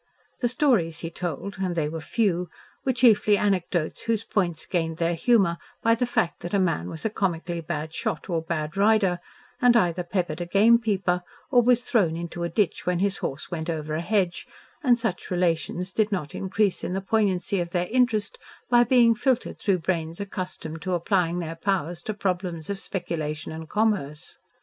The stories he told and they were few were chiefly anecdotes whose points gained their humour by the fact that a man was a comically bad shot or bad rider and either peppered a gamekeeper or was thrown into a ditch when his horse went over a hedge, and such relations did not increase in the poignancy of their interest by being filtered through brains accustomed to applying their powers to problems of speculation and commerce.